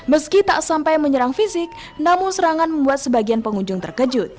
meski tak sampai menyerang fisik namun serangan membuat sebagian pengunjung terkejut